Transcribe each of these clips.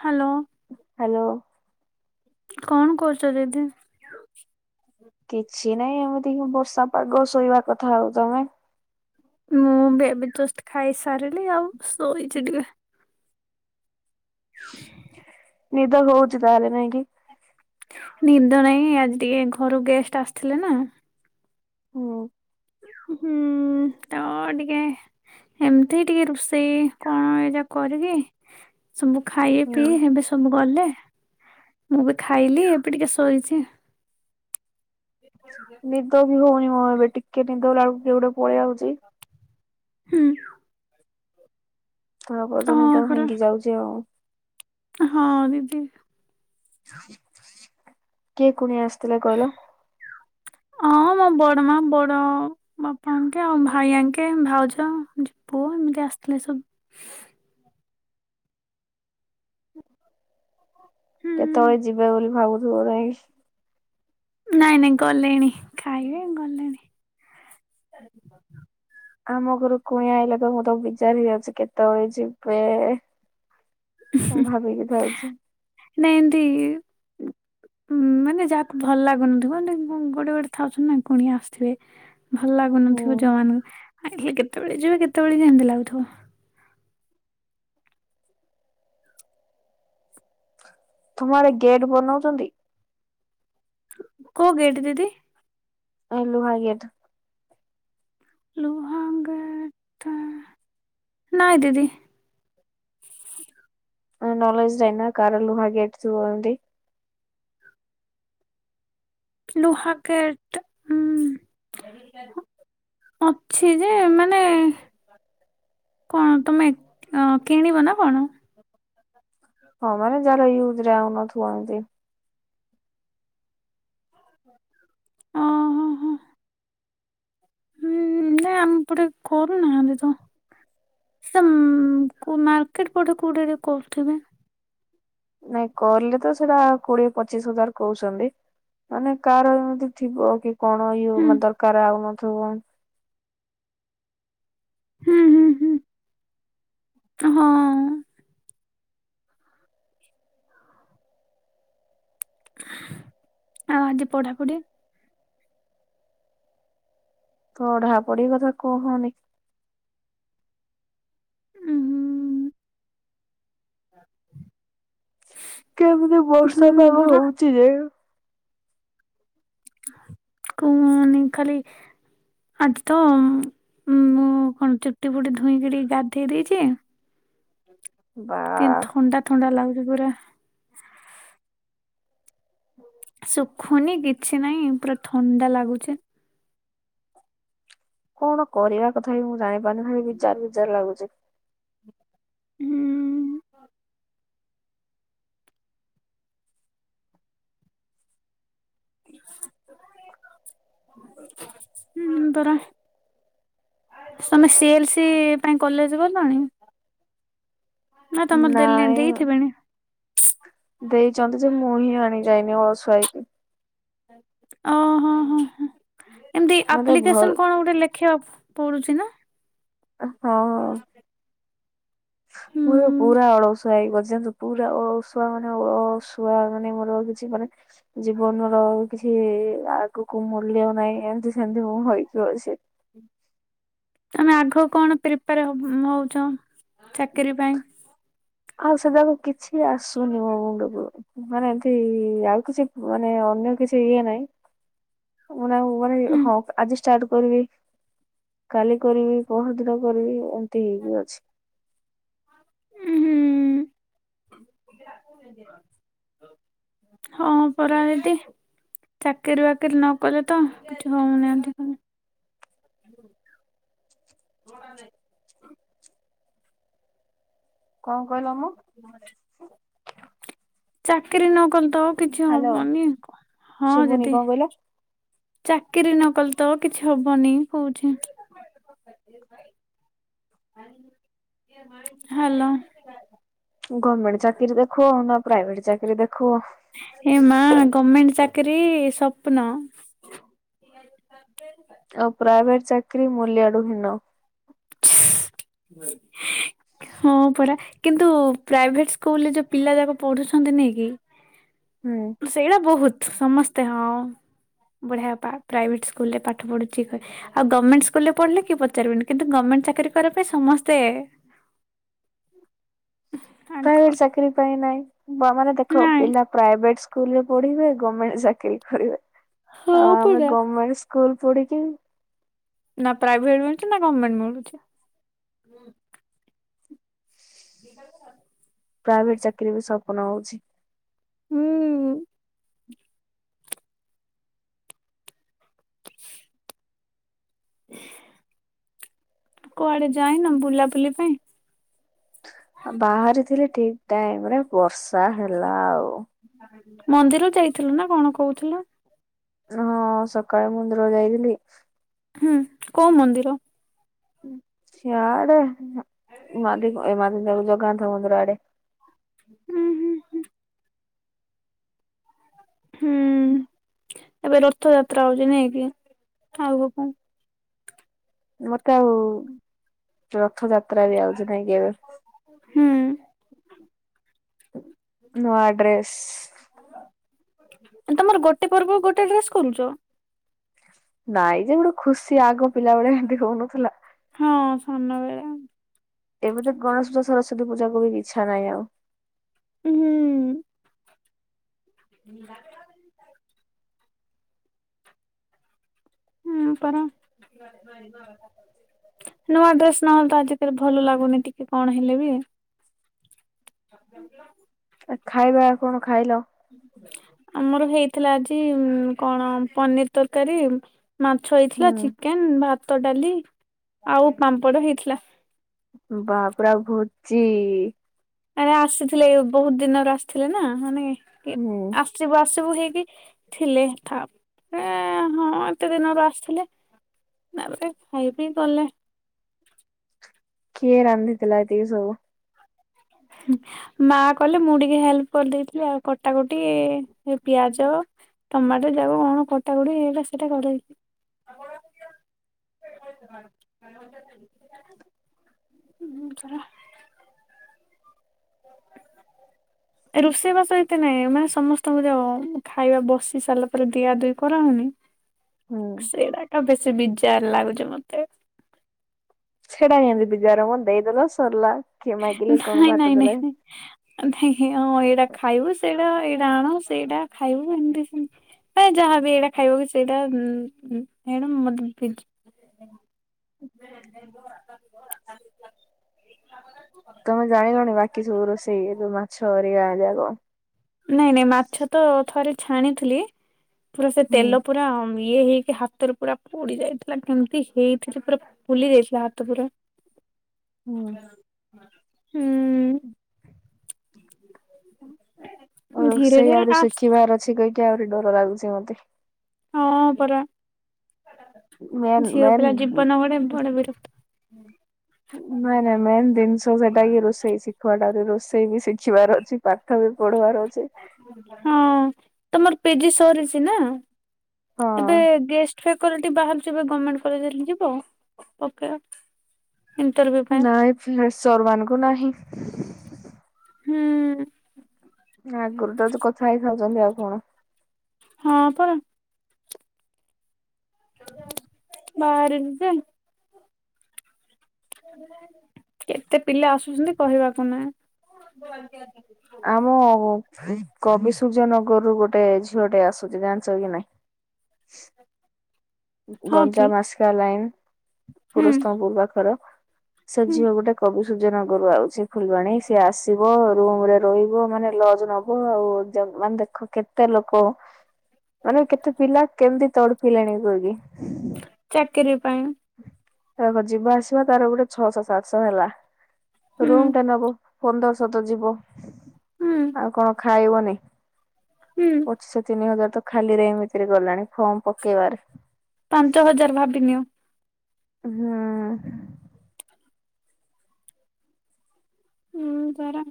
Hello. Hello. କଣ କରୁଛ ଦିଦି? କିଛି ନାଇଁ ଏମିତି ହିଁ ବର୍ଷା ପାଗ ଶୋଇବା କଥା ଆଉ ତମେ? ମୁଁ ବି ଏବେ ଜଷ୍ଟ ଖାଇ ସାରିଲି ଆଉ ଶୋଇଛି ଟିକେ। ନିଦ ହଉଛି ତାହେଲେ ନାଇଁ କି। ନିଦ ନାଇଁ ଆଜି ଟିକେ ଘରୁ ଗେଷ୍ଟ ଆସିଥିଲେ ନା। ହଁ। ହୁଁ ତ ଟିକେ ଏମିତି ଟିକେ ରୋଷେଇ କଣ ଏ ଯା କରିଦିଏ ସବୁ ଖାଇ ହୁଁ। ପିଇଏ ଏବେ ସବୁ ଗଲେ ମୁଁ ବି ଖାଇଲି ଏବେ ଟିକେ ଶୋଇଚି। ନିଦ ବି ହଉନି ମୁଁ ଏବେ ଟିକେ ନିଦ ହେଲା ବେଳକୁ କିଏ ଗୋଟେ ପଳେଇଆଉଛି ହୁଁ। କ ପର୍ଯ୍ୟନ୍ତ ହଁ ତ ପରା ଭାଙ୍ଗି ଯାଉଛି ଆଉ। ହଁ ଦିଦି। କିଏ କୁଣିଆ ଆସିଥିଲା କହିଲ? ହଁ ମୋ ବଡ ମା ବଡ ବାପାଙ୍କେ ଆଉ ଭାଇଆଙ୍କେ ଭାଉଜ ପୁଅ ଏମିତି ଆସିଥିଲେ ସବୁ। ହୁଁ। କେତେବେଳେ ଯିବେ ବୋଲି ଭାବୁଥିବ ନାଇଁକି। ନାଇଁ ନାଇଁ ଗଲେଣି ଖାଇବେ ଗଲେଣି। [inaudible] ଆମ ଘରକୁ କୁଣିଆ ଆଇଲେ ମୁଁ ତ ବିଜାର ହେଇଯାଉଛି କେତେବେଳେ ଯିବେ ମୁଁ ଭାବିକି ଥାଉଛି। ନାଇଁ ଏମତି ଉଁ ମାନେ ଯାହାକୁ ଭଲ ଲାଗୁନଥିବ ଗୋଡେ ଗୋଟେ ଥାଉଛନ୍ତି ନା ପୁଣି ଆସଥିବେ। ଭଲ ହୁଁ ଲାଗୁନଥିବ ଯଉାନଙ୍କୁ ଆଲେ କେତେବେଳେ ଯିବେ କେତେବେଳେ ଯେମିତି ଲାଗୁଥିବ। ତୁମ ଆଡେ ଗେଟ୍ ବନୋଉଚନ୍ତି? କୋଉ ଗେଟ ଦିଦି? ଆ ଲୁହା ଗେଟ। ଲୁହା ଗେଟ ନାଇଁ ଦିଦି। [unintelligible] ଜାନ ନ କାର ଲୁହା ଗେଟ ଥିବ ଓଲି? ଲୁହା କେଟ ଉଁ ଅଛି ଯେ ମାନେ କଁ ତମେ ଅ କିଣିବ ନା କଣ? ହଁ ଯାର ୟୁଜ ରେ ଆମ ଥୁଅନ୍ତି। ଓ ହୋ ହୋ। ହୁଁ ନା ଆମ ପଟେ କରୁନି ଆମେ ତ। ସେମ କୋଉ ମାର୍କେଟ ପେଟେ କୋଉଟାରେ କରୁଠିବେ। ନାଇଁ କରିଲେ ତ ସେଡ଼ା କୋଡିଏ ପଚିଶ ହଜାର କହୁଛନ୍ତି। ଆମ କାର ଏମିତି ଥିବ କି କଣ ଇଏ ହୁଁ ମ ଦରକାର ଆଉନଥିବ। ହୁଁ ହୁଁ ହଁ। ଆ ଆଜି ପଢାପଢି? ପଢା ପଢି କଥା କୁଅ କୁଅନି। ହ କେମିତି ବର୍ଷା ପାଗ ଧର ହୋଉଚି ଯେ କୁନ ଖାଲି ଆଜି ତ ମୁଁ କଣ ଚୁଟି ପୁଟି ଧୋଇଁକିରି ଗାଧେଇ ଦେଇେଇଚି ବା ତିନ ଥଣ୍ଡା ଥଣ୍ଡା ଲାଗୁରି ପୁରା। ହୁଁ ଶୁଖୁନି କିଛି ନଇ ପୁରା ଥଣ୍ଡା ଲାଗୁଚି। କଣ କରିବା କଥା ବି ମୁଁ ଜାଣିପାରୁନି ଭାଇ ବିଯାର ବିଜାର ଲାଗୁଚି। ହୁଁ ହୁଁ ପରା। ସମ ସି ଏଲ ସି ପାଇଁ କଲେଜ ଗଲଣି? ନା ତମର ଦେଲେ ଦେଇଥିବେଣି। ଦେଇଚନ୍ତି ଯେ ମୁଁ ହିଁ ଆଣିଯାଇନି ଅଳସୁଆ ହୋଇକି ୲ ଓହୋ ହ ହ ଏମତି ମତେ ଭଲ ଆପ୍ଲିକେସନ କଣ ଗୋଟେ ଲେ ଖିଆବ ପଡୁଚି ନା? ଅ ହଁ। ହୁଁ ପୁ ପୁରା ଅଳସୁଆ ହେଇଗଛି ପୁରା ଅଳସୁ ପୁଆ ମାନେ ଅଳସୁଆ ମାନେ ମୋର ଆଉ କିଛି ମାନେ ଜୀବନର କିଛି ଆ ଆଗକୁ ମୂଲ୍ୟ ନାହିଁ ଏମିତି ସେମିତି ମୁଁ ହେଇକି ଅଛି। ତମେ ଆଗକୁ କଣ ପ୍ରିପାର ହବ ହଉଚ ଚାକିରି ପାଇଁ? ଆଉ ସେବାକୁ କିଛି ଆସୁନି ମୋ ମୁଣ୍ଡ କୁ। ମାନେ ଏମତି ଆଉ କିଛି ମାନେ ଅନ୍ୟ କିଛି ଇଏ ନାଇ। ମାନାଁ ମାରି ହୁଁ ହଁକ୍ ଆଜି ଷ୍ଟାର୍ଟ କରିବି। କାଲି କରିବି ପହର ଦିନ କରିବି ଏମିତି ହେଇକି ଅଛି। ଉଁ ହଁ ପରା ଏଦେ ଚାକିରି ବାକିରି ନରିଅତ କିଛି ହଉନାହାନ୍ତି ପୁନି। କଣ କହିଲା ମ? ତୁମ ଘରେ ଚାକିରି ନକଲେ ତ କିଛି ହ୍ୟାଲୋ ହବନି ହଁ ଶୁଭୁନି ଦିଦି। କଣ କହିଲ? ଚାକିରି ନ କଲେ ତ କିଛି ହବନି କହୁଛି। ହ୍ୟାଲୋ। ଗଭମେଣ୍ଟ ଚାକିରି ଦେଖ ନା ପ୍ରାଇଭେଟ ଚାକିରୀ ଦେଖ ଏ ମା ଗର୍ମେଣ୍ଟ ଚାକିରି ସ୍ୱପ୍ନ। ଆଉ ପ୍ରାଇଭେଟ ଚାକିରି ମୂଲ୍ୟ ଆଡୁ ହୀନ। [unintelligible] ହଁ ପରା କିନ୍ତୁ ପ୍ରାଇଭେଟ ସ୍କୁଲରେ ଯୋଉ ପିଲା ଯାକ ପଢୁଛନ୍ତି ନେଇ କି। ହୁଁ। ସେଇଟା ବହୁତ ସମସ୍ତେ ହଁ। ବଢିଆବା ପ୍ରାଇଭେଟ ସ୍କୁଲ ରେ ପାଠ ପଢୁଛିି ଆଉ ଗର୍ମେଣ୍ଟ ସ୍କୁଲ ରେ ପଢ଼ିଲେ କି ପଚାରିବେନି କିନ୍ ଟେ ଗମେଣ୍ଟ ଚାକିର କରିବା ପାଇଁ ସମସ୍ତେ ଆଗ ପ୍ରାଇଭେଟ ଚାକିରୀ ପାଇଁ ନାଇଁ ଆମେ ଦେଖ ନାଇଁ ପିଲା ପ୍ରାଇଭେଟ ସ୍କୁଲରେ ପଢିବେ ଗମେଣ୍ଟ ଚାକିରୀ କରିବେ ହଉ ଆଉ ଆମେ ପରା ଗମେଣ୍ଟ ସ୍କୁଲ ପୁଢିକି ନା ପ୍ରାଇଭେଟ ମିଳୁଚି ନା ଗର୍ଣ୍ଣମେଣ୍ଟ ମିଳୁଛି। ପ୍ରାଇଭେଟ ଚାକିରି ବି ସପ୍ନ ହଉଛି। ହୁଁ। କୁଆଡେ ଯାାଇନ ବୁଲାବୁଲି ପାଇଁ। ବାହାରିଥିଲି ଠିକ ଟାଇମ ରେ ବର୍ଷା ହେଲା ଆଉ। ମନ୍ଦିର ଯାଇଥିଲୁ ନା କଣ କହୁଥିଲୁ? ହଁ ସକାଳେ ମନ୍ଦିର ଯାଇଥିଲି। ହୁଁ କୋଉ ମନ୍ଦିର? [unintelligible] ହୁଁ ହୁଁ ହୁଁ। ହୁଁ ଏବେ ରଥଯାତ୍ରା ହଉଛି ନାଇ କି ଆଗକୁ ମତେ ଆଉ ରଥଯାତ୍ରା ବି ଆଉଛି ନାଇଁକି ଏବେ। ହୁଁ ନୂଆ ଡ୍ରେସ୍। ତମର ଗୋଟେ ପର୍ବକୁ ଗୋଟେ ଡ୍ରେସ କରୁଛ। ନାଇଁ ଯେ ଗୋଟେ ଖୁସି ଆଗ ପିଲାବେଳେ ଏମତି ହୁନଥିଲା। ହଁ ସାନବେଳା। ଏବେ ତ ଗଣେଶ ପୂଜା ସରସ୍ୱତ ପୂଜାକୁ ବି ଇଛା ନାହିଁ ଆଉ। ହୁଁ। ହୁଁ ପର। ନୂଆ ଡ୍ରେସ ନହେଲେ ତ ଆଜିିକାଲି ଭଲ ଲାଗୁନି ଟିକେ କଣ ହେଲେ ବି? ଖାଇବା କଣ ଖାଇଲ? ଆମର ହେଇଥିଲା ଆଜି କଣ ପନିର ତରକାରୀ ମାଛ ହେଇଥିଲା, ହୁଁ ଚିକେନ, ଭାତ, ଡାଲି ଆଉ ପାମ୍ପଡ଼ ହେଇଥିଲା। ବାପ୍ ରେ ଆଉ ଭୋଜି। ଆରେ ଆସିଥିଲେ ବହୁତ ଦିନରୁ ଆସିଥିଲେ ନା ମାନେ ଆ ହୁଁ ଆସିବୁ ଆସିବୁ ହେଇକି ଥିଲେ ଥାପ୍ ଏ ହଁ ଏତେ ଦିନରୁ ଆସିଥିଲେ। ନାବେ ଖାଇ ପି ଗଲେ। କିଏ ରାନ୍ଧିଥିଲା ଏତିକି ସବୁ? ମା କହଲେ ମୁଁ ଟିକେ ହେଲ୍ପ କରିଦେଇଥିଲି ଆଉ କଟାକଟି। ଏଇ ପିଆଜ ଟମାଟର ଯାକ କଣ କଟାକଟି ହେଇ ସେଇଟା କରେଇ। [unintelligible] [inaudible] ରୋଷେଇବାସ ଏତେ ନାଇଁ ମାନେ ସମସ୍ତଙ୍କୁ ଜାଅ ଖାଇବା ବସି ସାରିଲା ପରେ ଦିଆ ଦୁଇ କରାହଉନି। ହୁଁ। ସେଇଟାକ ବେଶୀ ବିଜାର ଲାଗୁଛି ମତେ। ଛେଡା ନିଅନ୍ତି ବିଜର ମ ଦେଇଦେଲ ସରିଲା କିଏ ମାଗିଲେ କଣ ନାଇଁ ନାଇଁ ଭାତ ନାଇଁ ନାଇଁ ଦେଲେ? ହଁ ଏଇଟା ଖାଇବୁ ସେଇଟା ଏଇଟା ଆଣ ସେଇଟା ଖାଇବୁ ଏମତି ସେମତି ହଁ ଯାହାବି ଏଇଟା ଖାଇବାକୁ ସେଇଟା [unintelligible] ମତେ ଭି [unintelligible] ତମେ ଜାଣିଲନ ବାକି ସବୁ ରୋଷେଇ ଏଇ ଯୋଉ ମାଛ ହରିଗା ଯାକ। ନାଇଁ ନାଇଁ ମାଛ ତ ଥରେ ଛାଣିଥିଲି ପୁରା ସେ ହୁଁ ତେଲ ପୁରା ଇଏ ହେଇକି ହାତରେ ପୁରା ପୋଡି ଯାଇଥିଲା କେମିତି ହେଇଥିଲି ପୁରା ଫୁଲି ଯାଇଥିଲା ହାତ ପୁରା। ହୁଁ। ହୁଁ। ଧୀରେ ରୋଷେଇ ଧୀରେ ଆହୁରି ଆସ ଶିଖିବାର ଅଛି କହିକି ଆହୁରି ଡର ଲାଗୁଛି ମତେ। ହଁ ପରା। ମେନ୍ ଝିଅ ମେନ୍ ପିଲା ଜୀବନ ଗୋଟେ ବଡ ବିରକ୍ତ। ନାଁ ନାଁ ନାଇଁ ଦିନିଷ। ଯାଇକି ରୋଷେଇ ଶିଖ, ରୋଷେଇ ବି ଶିଖିବାର ଅଛି, ପାଠ ବି ପଢିବାର ଅଛି। ହଁ ତମର ପିଜି ସରିଛି ନା ହଁ ଏବେ ଗେସ ସିକୁରିଟି ବାହାରୁଛି ପା ଗର୍ମେଣ୍ଟ କଲେଜ ଯିବ? ପକା। ନାଇଁ ଫେଶର ମାନଙ୍କୁୁ ନାହିଁ। ହୁଁ। ଆଗୁରୁତ ଚ କଥା ହେଇସାରିଛନ୍ତି ଆଉ କଣ? ହଁ ପା। [unintelligible] ବାହାରି ପେ। କେତେ ପିଲା ଆସୁଛନ୍ତି କହିବାର ତ ନାହିଁ। ଆମ କବି ସୂର୍ଯ୍ୟ ନଗରରୁୁ ଗୋଟେ ଝିଅ ଟେ ଆସୁଛି ଜାଣିଛ କି ନାହିଁ? [inaudible] ହଁ କି ଗଞ୍ଜାମ ମାସକା ଲାଇନ ହୁଁ ପୁରସ୍ତତମ ପୁର ପାଖରେ। ସେ ହୁଁ ଝିଅ ଗୋଟେ କବି ସୂଯ୍ୟନଗରୁ ଆଉଛି ଫୁଲବାଣୀ ସିଏ ଆସିବ ରୁମ ରେ ରହିବ ମାନେ ଲଜ ନବ। [unintelligible] ଆଉ ମାନେ ଦେଖ କେତେ ଲୋକ। ଆରେ କେତେ ପିଲା କେମିତି ତଡପିଲେଣି କହିକି ଚାକିରି ପାଇଁ। ତା ଯିବା ଆସିବା ତାର ଗୋଟେ ଛଅଶହ, ସାତଶହ ହେଲା। ହୁଁ ରୁମ ଟା ନବ ପନ୍ଦରଶହ ତ ଯିବ ହୁଁ ଆଉ କଣ ଖାଇବନି? ହୁଁ। ପଚିଶହ ତିନି ହଜାର ତ ଖାଲିରେ ଏମିତିରେ ଗଲାଣି ଫର୍ମ ପକେଇବାରେ। ପାଞ୍ଚ ହଜାର ଭାବିନିଅ। ହୁଁ। ହୁଁ ତାର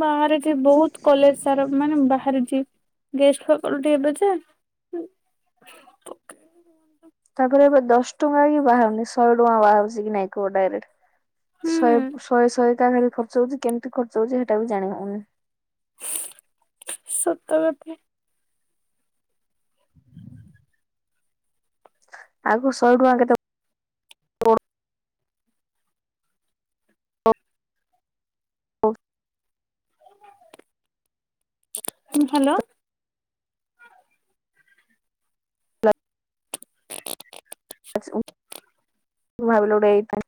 ବାହାରିଚି ବହୁତ କଲେଜ ସାରା ମାନେ ବାହାରିଚି ଗେଷ୍ଟ ଫ୍ୟାକୁଲ୍ଟି ଟିକେ ବେସି ତାପରେ ଏବେ ଦଶ ଟଙ୍କା କି ବାହାରୁନି ଶହେ ଟଙ୍କା ବାହାରୁଛି କି ନାଇଁ କ ଡାଇରେକ୍ଟ ଶହେ, ହୁଁ ଶହେ, ଶହେ ଟା କେମିତି ଖର୍ଚ୍ଚ ହଉଛି କେମିତି ଖର୍ଚ୍ଚ ହଉଛି ସେଇଟା ବି ଜାଣ ହଉନି। ସତକଥା। ଆଗୁରୁ ଶହେ ଟଙ୍କା କେତେ ହୁ ହ୍ୟାଲୋ! ମୁଁ ଭାବିଲି ଗୋଟେଏଇ [unintelligible]